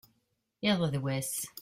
iḍ d wass